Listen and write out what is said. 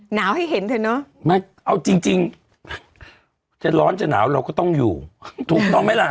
หนาวให้เห็นเถอะเอาจริงจริงจะร้อนจะหนาวก็ต้องอยู่ถูกต้องไหมล่ะ